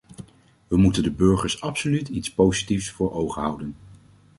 We moeten de burgers absoluut iets positiefs voor ogen houden.